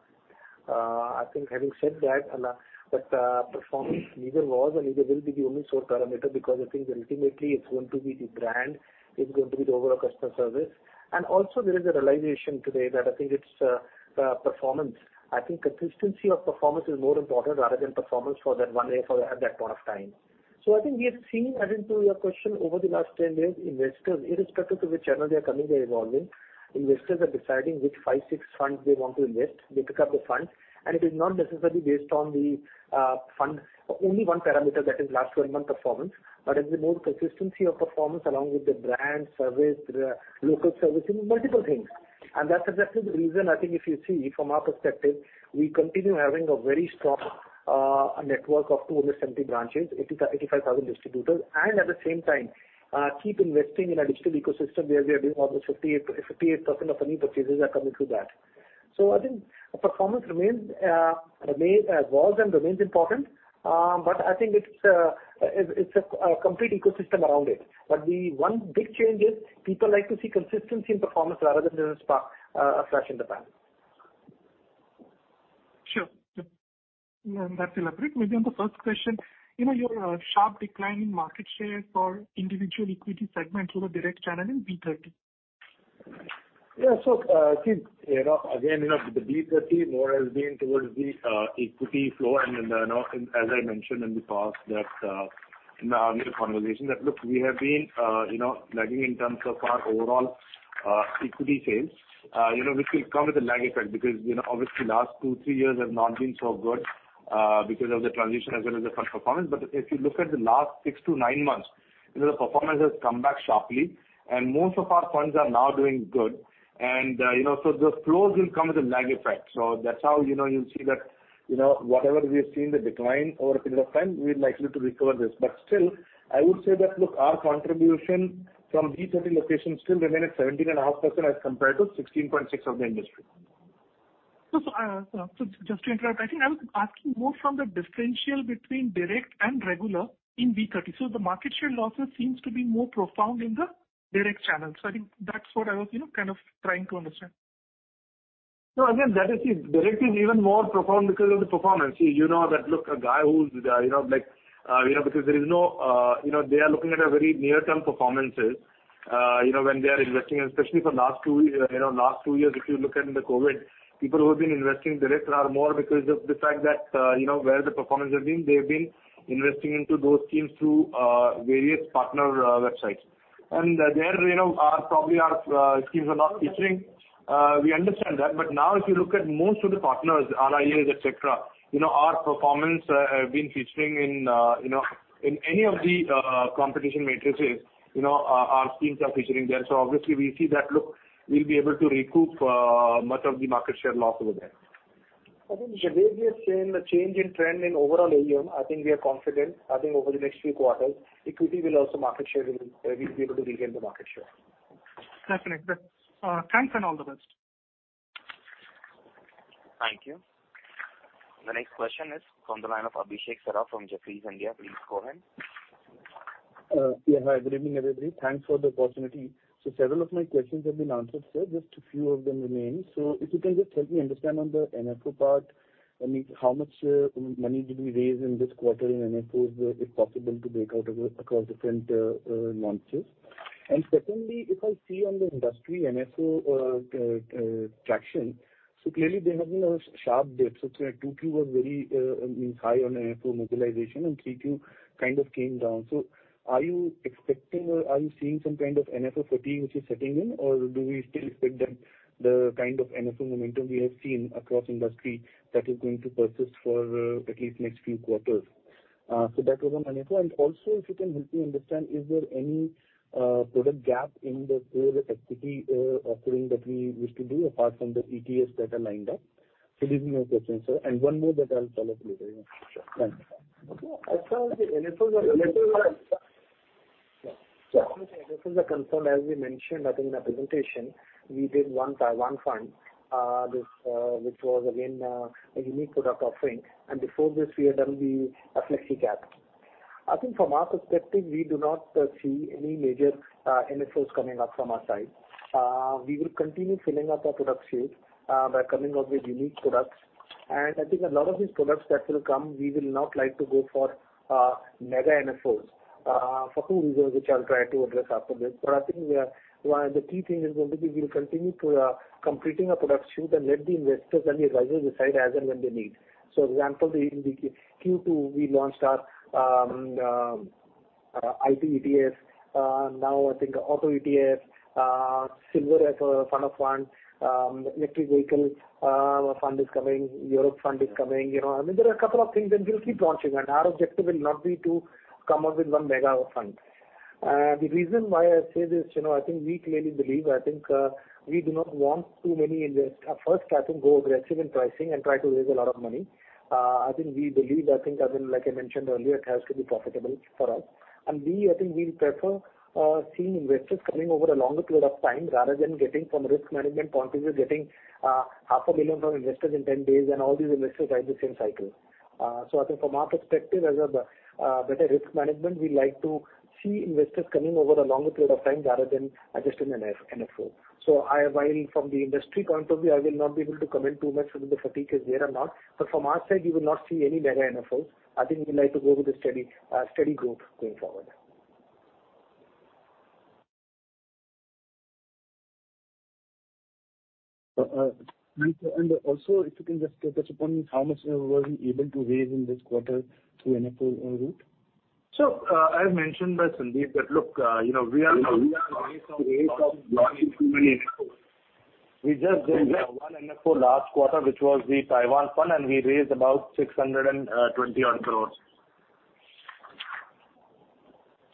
I think having said that, but performance neither was and neither will be the only sole parameter because I think ultimately it's going to be the brand, it's going to be the overall customer service. Also there is a realization today that I think it's performance. I think consistency of performance is more important rather than performance for that one day at that point of time. I think we have seen, adding to your question, over the last 10 years, investors, irrespective to which channel they are coming, they're evolving. Investors are deciding which five, six funds they want to invest. They pick up the funds, and it is not necessarily based on the fund only one parameter that is last 12-month performance. It is more consistency of performance along with the brand, service, the local service and multiple things. That's exactly the reason, I think if you see from our perspective, we continue having a very strong network of 270 branches, 85,000 distributors. At the same time, keep investing in a digital ecosystem where we are doing almost 58% of any purchases are coming through that. I think performance remains was and remains important. I think it's a complete ecosystem around it. The one big change is people like to see consistency in performance rather than just a flash in the pan. Sure. Yeah, that's elaborate. Maybe on the first question, you know, your sharp decline in market share for individual equity segment through the direct channel in B30. Yeah. I think, you know, again, you know, the B30 more has been towards the equity flow. You know, as I mentioned in the past that in our earlier conversation, that look, we have been you know, lagging in terms of our overall equity sales. You know, which will come with a lag effect because, you know, obviously last two to three years have not been so good because of the transition as well as the fund performance. If you look at the last six to nine months, you know, the performance has come back sharply and most of our funds are now doing good. You know, the flows will come with a lag effect. That's how you know you'll see that, you know, whatever we have seen the decline over a period of time, we're likely to recover this. Still, I would say that, look, our contribution from B30 locations still remain at 17.5% as compared to 16.6% of the industry. just to interrupt, I think I was asking more from the differential between direct and regular in B30. The market share losses seems to be more profound in the direct channels. I think that's what I was, you know, kind of trying to understand. No, again, that the direct is even more profound because of the performance. See, you know, the look of a guy who's, you know, like, you know, because there is no, you know, they are looking at a very near-term performances, you know, when they are investing, especially for last two years, you know, last two years, if you look at it in the COVID, people who have been investing direct are more because of the fact that, you know, where the performance has been. They've been investing into those schemes through various partner websites. And there, you know, probably our schemes are not featuring. We understand that. Now if you look at most of the partners, RIAs, et cetera, you know, our performance have been featuring in, you know, in any of the competition matrices. You know, our schemes are featuring there. Obviously we see that, look, we'll be able to recoup much of the market share loss over there. I think the way we are seeing the change in trend in overall AUM, I think we are confident. I think over the next few quarters, equity will also market share we'll be able to regain the market share. Definitely. Thanks and all the best. Thank you. The next question is from the line of Abhishek Saraf from Jefferies India. Please go ahead. Hi, good evening, everybody. Thanks for the opportunity. Several of my questions have been answered, sir. Just a few of them remain. If you can just help me understand on the NFO part, I mean, how much money did we raise in this quarter in NFO? If possible, to break out across different launches. Secondly, if I see on the industry NFO traction, clearly there has been a sharp dip. 2Q was very, I mean, high on NFO mobilization, and 3Q kind of came down. Are you expecting or are you seeing some kind of NFO fatigue which is setting in? Or do we still expect that the kind of NFO momentum we have seen across industry that is going to persist for at least next few quarters? That was on NFO. Also if you can help me understand, is there any product gap in the whole equity offering that we wish to do apart from the ETFs that are lined up? These are my questions, sir. One more that I'll follow up later. Sure. Thanks. Okay. As far as the NFOs are concerned, as we mentioned, I think in our presentation, we did one fund, which was again a unique product offering. Before this we had done the Flexi Cap. I think from our perspective, we do not see any major NFOs coming up from our side. We will continue filling up our product suite by coming up with unique products. I think a lot of these products that will come, we will not like to go for mega NFOs for two reasons, which I'll try to address after this. I think the key thing is going to be we'll continue to completing our product suite and let the investors and the advisors decide as and when they need. Example, in the Q2, we launched our IT ETFs. Now I think Auto ETF, Silver as a fund of funds, electric vehicle fund is coming, Europe fund is coming. You know, I mean, there are a couple of things that we'll keep launching and our objective will not be to come up with one mega fund. The reason why I say this, you know, I think we clearly believe, I think, we do not want too many first I think go aggressive in pricing and try to raise a lot of money. I think we believe, I mean, like I mentioned earlier, it has to be profitable for us and we, I think we'll prefer seeing investors coming over a longer period of time rather than getting from risk management point of view, getting INR half a million from investors in 10 days and all these investors ride the same cycle. I think from our perspective as a better risk management, we like to see investors coming over a longer period of time rather than just an NFO. I, while from the industry point of view, I will not be able to comment too much whether the fatigue is there or not, but from our side you will not see any mega NFOs. I think we like to go with a steady growth going forward. If you can just touch upon how much were we able to raise in this quarter through NFO and route? I mentioned that, Sundeep, that look, you know, we are not raising too many NFOs. We just did one NFO last quarter, which was the Taiwan Fund, and we raised about 620-odd crores.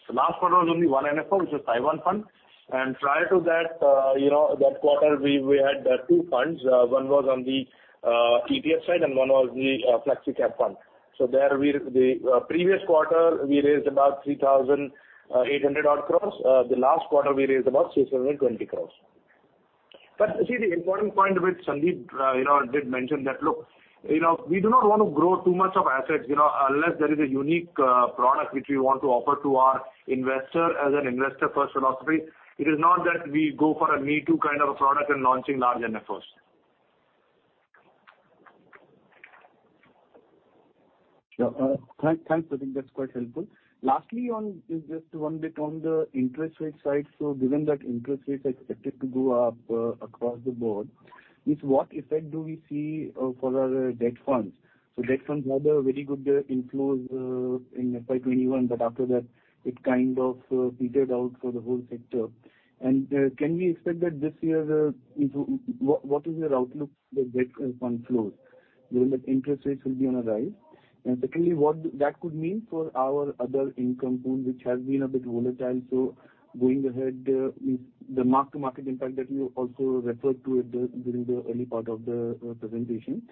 The last one was only one NFO, which was Taiwan Fund. Prior to that, you know, that quarter we had two funds. One was on the ETF side and one was the Flexi Cap Fund. The previous quarter we raised about 3,800-odd crores. The last quarter we raised about 620 crores. See, the important point which Sundeep, you know, did mention that look, you know, we do not want to grow too much of assets, you know, unless there is a unique, product which we want to offer to our investor as an investor-first philosophy. It is not that we go for a me-too kind of a product and launching large NFOs. Yeah. Thanks. I think that's quite helpful. Lastly, one bit on the interest rate side. Given that interest rates are expected to go up across the board, what effect do we see for our debt funds? Debt funds had very good inflows in FY 2021, but after that it kind of petered out for the whole sector. Can we expect that this year? What is your outlook for the debt fund flows given that interest rates will be on a rise? Secondly, what that could mean for our other income pool, which has been a bit volatile. Going ahead with the mark-to-market impact that you also referred to during the early part of the presentation.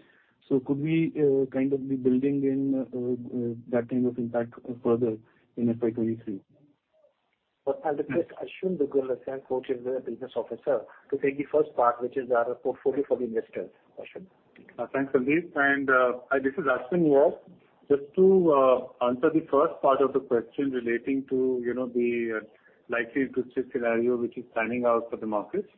Could we kind of be building in that kind of impact further in FY 2023? Well, I'll request Aashwin Dugal, our Chief Business Officer, to take the first part which is our portfolio for the investors. Ashwin? Thanks, Sandeep. This is Ashwin here. Just to answer the first part of the question relating to you know the likely interest rate scenario which is panning out for the markets.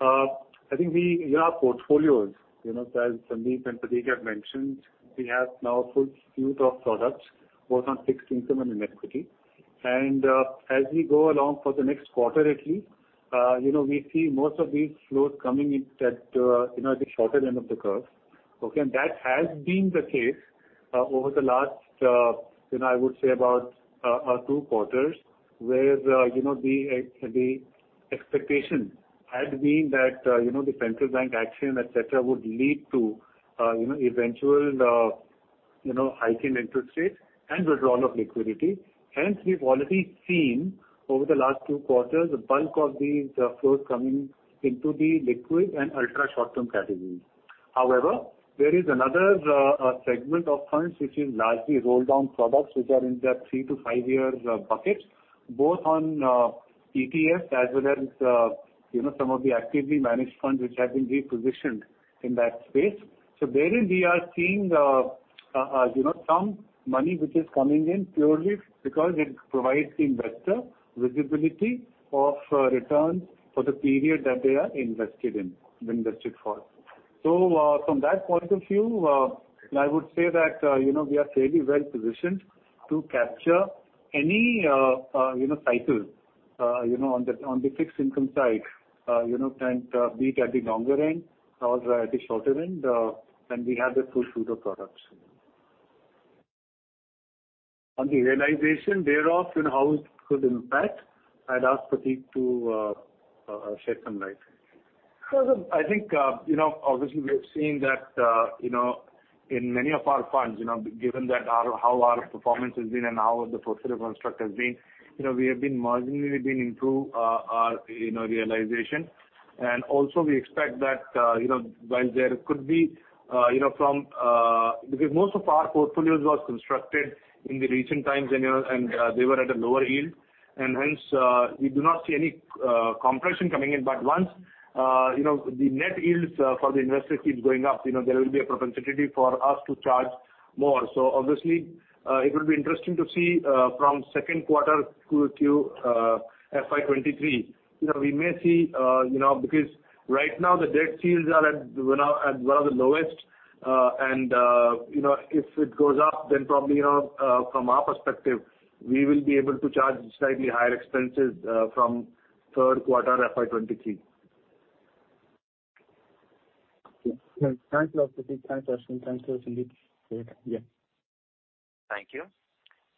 I think we in our portfolios you know as Sandeep and Prateek have mentioned we have now a full suite of products both on fixed income and in equity. As we go along for the next quarter at least you know we see most of these flows coming in at you know at the shorter end of the curve. Okay. That has been the case over the last you know I would say about two quarters. Whereas, you know, the expectation had been that, you know, the central bank action, et cetera, would lead to, you know, eventual hike in interest rates and withdrawal of liquidity. Hence we've already seen over the last two quarters the bulk of these flows coming into the liquid and ultra short-term categories. However, there is another segment of funds which is largely roll-down products which are in that three to five years buckets, both on ETFs as well as, you know, some of the actively managed funds which have been repositioned in that space. Therein we are seeing, you know, some money which is coming in purely because it provides the investor visibility of returns for the period that they are invested for. From that point of view, I would say that, you know, we are fairly well positioned to capture any, you know, cycle, you know, on the fixed income side, you know, and be it at the longer end or at the shorter end, and we have the full suite of products. On the realization thereof, you know, how it could impact, I'd ask Prateek to shed some light. I think, you know, obviously we have seen that, you know, in many of our funds, you know, given how our performance has been and how the portfolio construct has been, you know, we have been marginally improving our realization. We expect that, you know, while there could be, you know, because most of our portfolios were constructed in the recent times, you know, and they were at a lower yield. Hence, we do not see any compression coming in. Once, you know, the net yields for the investor keep going up, you know, there will be a propensity for us to charge more. Obviously, it will be interesting to see from second quarter through to FY 2023. You know, we may see, you know, because right now the debt yields are at, you know, at one of the lowest. You know, if it goes up then probably, you know, from our perspective, we will be able to charge slightly higher expenses, from third quarter FY 2023. Thanks a lot, Prateek. Thanks, Aashwin. Thanks, Sundeep. Yeah. Thank you.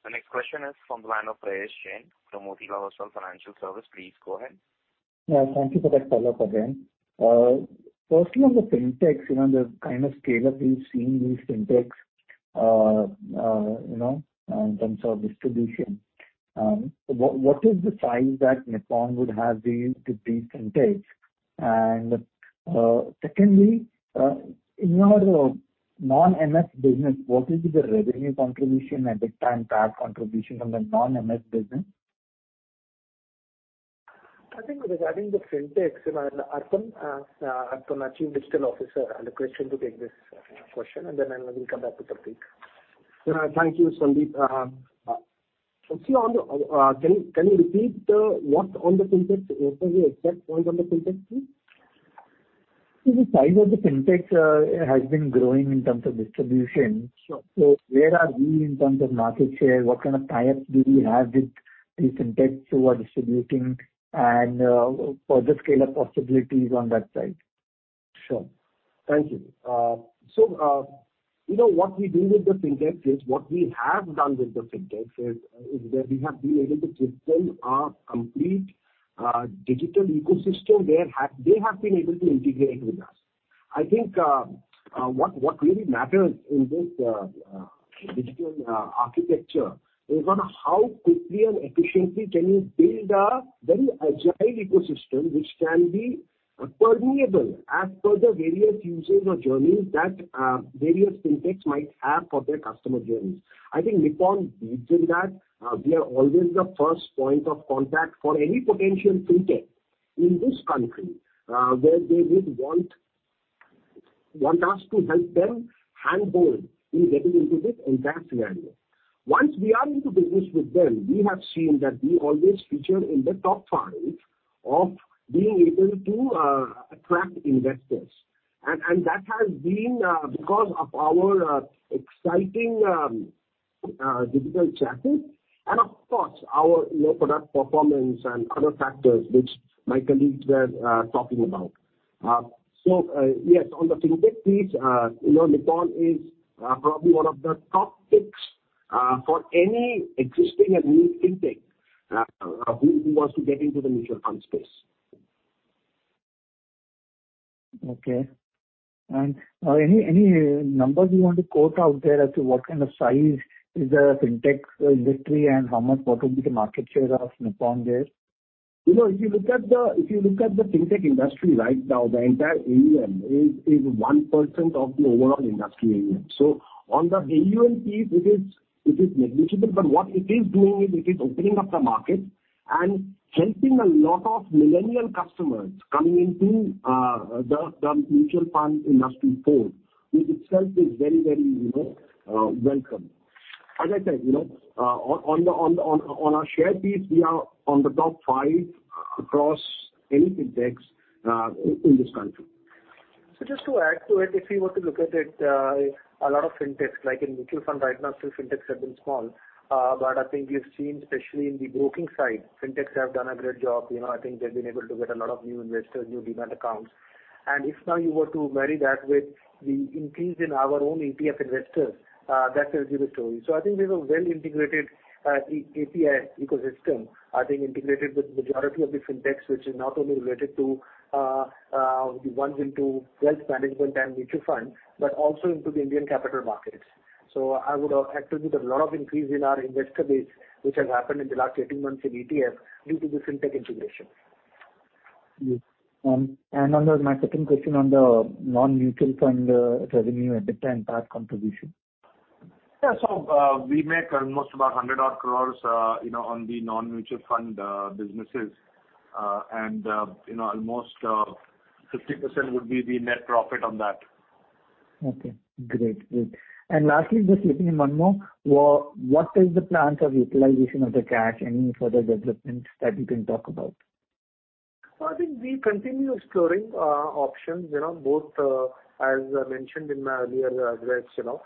The next question is from the line of Prayesh Jain from Motilal Oswal Financial Services. Please go ahead. Yeah, thank you for that follow-up, Jain. Firstly on the FinTechs, you know, the kind of scale-up we've seen these FinTechs, you know, in terms of distribution, what is the size that Nippon would have been to these FinTechs? Secondly, in your non-MS business, what is the revenue contribution at this time to our contribution from the non-MS business? I think regarding the fintechs, you know, Arpan, our Chief Digital Officer, I'll request him to take this question and then I will come back to Prateek. Thank you, Sundeep. Actually, on the fintechs, can you repeat what on the fintechs? What was your exact point on the fintechs please? See, the size of the fintechs has been growing in terms of distribution. Sure. Where are we in terms of market share? What kind of tie-ups do we have with these fintechs who are distributing and further scale-up possibilities on that side? Sure. Thank you. What we have done with the FinTech is that we have been able to build our complete digital ecosystem, where they have been able to integrate with us. I think what really matters in this digital architecture is how quickly and efficiently can you build a very agile ecosystem which can be permeable as per the various users or journeys that various FinTechs might have for their customer journeys. I think Nippon leads in that. We are always the first point of contact for any potential FinTech in this country, where they would want us to help them hand-hold in getting into this advanced value. Once we are into business with them, we have seen that we always feature in the top five of being able to attract investors. That has been because of our exciting digital channels and of course our low product performance and other factors which my colleagues were talking about. Yes, on the FinTech piece, you know, Nippon is probably one of the top picks for any existing and new FinTech who wants to get into the mutual fund space. Okay. Any numbers you want to quote out there as to what kind of size is the FinTech industry and what would be the market share of Nippon there? You know, if you look at the FinTech industry right now, the entire AUM is 1% of the overall industry AUM. So on the AUM piece, it is negligible, but what it is doing is it is opening up the market and helping a lot of millennial customers coming into the mutual fund industry fold, which itself is very welcome. As I said, you know, on our share piece, we are on the top 5 across any FinTechs in this country. Just to add to it, if you were to look at it, a lot of FinTechs, like in mutual funds right now, so FinTechs have been small. I think you've seen especially in the broking side, FinTechs have done a great job. You know, I think they've been able to get a lot of new investors, new demand accounts. If now you were to marry that with the increase in our own ETF investors, that tells you the story. I think we have a well-integrated API ecosystem, I think integrated with majority of the FinTechs, which is not only related to the ones into wealth management and mutual funds, but also into the Indian capital markets. I would attribute a lot of increase in our investor base, which has happened in the last 18 months in ETF due to this FinTech integration. Yes. Under my second question on the non-mutual fund revenue, AUM, debt and tax contribution. Yeah. We make almost about 100-odd crores, you know, on the non-mutual fund businesses. You know, almost 50% would be the net profit on that. Okay, great. Lastly, just looking at one more. What is the plans of utilization of the cash? Any further developments that you can talk about? I think we continue exploring options, you know, both, as I mentioned in my earlier address, you know,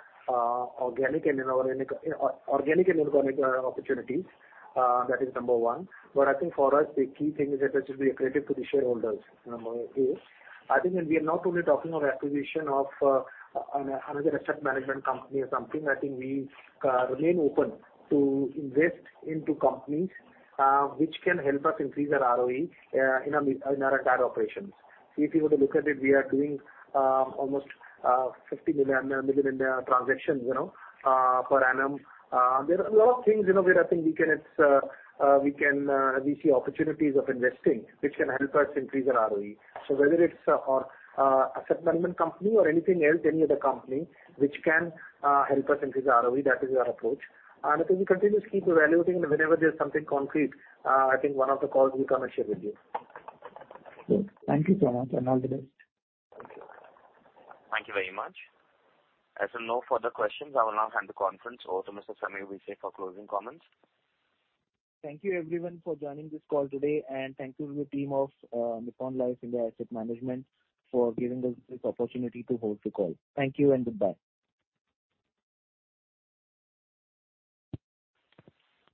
organic and inorganic opportunities. That is number one. I think for us the key thing is that it should be accretive to the shareholders, number two. I think we are not only talking of acquisition of another asset management company or something. I think we remain open to invest into companies which can help us increase our ROE in our entire operations. If you were to look at it, we are doing almost 50 million Indian transactions, you know, per annum. There are a lot of things, you know, where I think we see opportunities of investing which can help us increase our ROE. Whether it's asset management company or anything else, any other company which can help us increase our ROE, that is our approach. I think we continuously keep evaluating and whenever there's something concrete, I think one of the calls we come and share with you. Good. Thank you so much, and all the best. Thank you. Thank you very much. As there are no further questions, I will now hand the conference over to Mr. Sameer Desai for closing comments. Thank you everyone for joining this call today, and thank you to the team of Nippon Life India Asset Management for giving us this opportunity to host the call. Thank you and goodbye.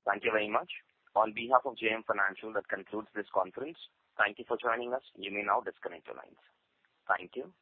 Thank you very much. On behalf of JM Financial, that concludes this conference. Thank you for joining us. You may now disconnect your lines. Thank you.